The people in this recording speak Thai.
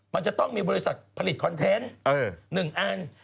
มันจะต้องมีบริษัทผลิตคอนเทนต์๑อัน